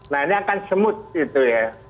nah ini akan smooth gitu ya